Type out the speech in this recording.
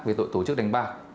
về tội tổ chức đánh bạc